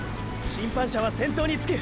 審判車は先頭につく！